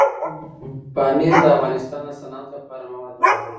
پامیر د افغانستان د صنعت لپاره مواد برابروي.